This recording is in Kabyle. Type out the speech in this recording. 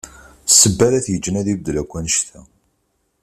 Ssebba ara t-yeǧǧen ad ibeddel akk annect-a.